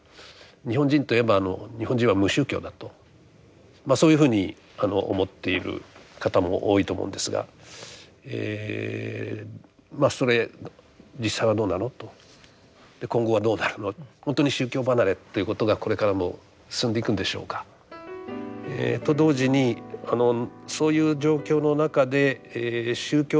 日本人といえば日本人は無宗教だとそういうふうに思っている方も多いと思うんですがまあそれ実際はどうなのと今後はどうなるのほんとに宗教離れということがこれからも進んでいくんでしょうか。と同時にそういう状況の中で宗教集団というのはですね